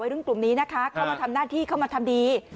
รุ่นกลุ่มนี้นะคะเข้ามาทำหน้าที่เข้ามาทำดี